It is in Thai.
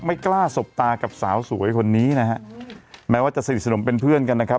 ไม่กล้าสบตากับสาวสวยคนนี้นะฮะแม้ว่าจะสนิทสนมเป็นเพื่อนกันนะครับ